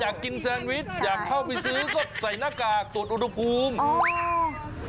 อยากกินแซนวิชอยากเข้าไปซื้อก็ใส่หน้ากากตรวจอุณหภูมิ